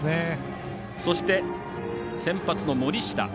そして、先発の森下。